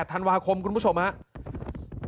ธันวาคมคุณผู้ชมครับ